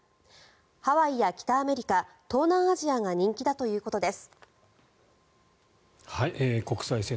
ハワイや北アメリカ東南アジアが人気だということです。